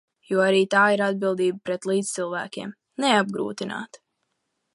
Jo arī tā ir atbildība pret līdzcilvēkiem– neapgrūtināt.